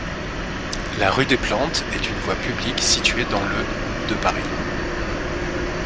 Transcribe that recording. La rue des Plantes est une voie publique située dans le de Paris.